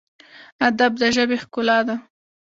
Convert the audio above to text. ادب د ژبې ښکلا ده